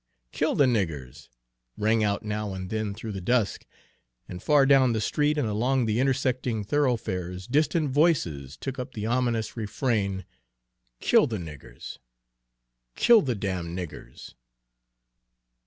"Kill the niggers!" rang out now and then through the dusk, and far down the street and along the intersecting thoroughfares distant voices took up the ominous refrain, "Kill the niggers! Kill the damned niggers!"